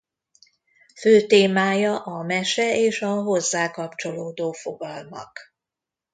Fő témája a mese és a hozzá kapcsolódó fogalmak.